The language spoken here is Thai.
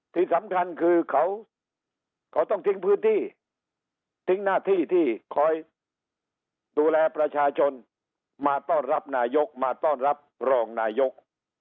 ที่สำคัญคือเขาต้องทิ้งพื้นที่ทิ้งหน้าที่ที่คอยดูแลประชาชนมาต้อนรับนายกมาต้อนรับรองนายก